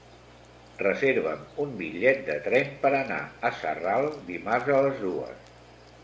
Reserva'm un bitllet de tren per anar a Sarral dimarts a les dues.